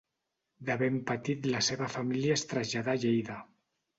De ben petit la seva família es traslladà a Lleida.